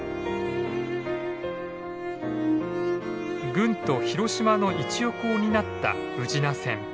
軍都・広島の一翼を担った宇品線。